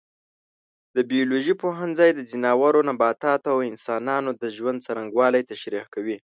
د بیولوژي پوهنځی د ځناورو، نباتاتو او انسانانو د ژوند څرنګوالی تشریح کوي.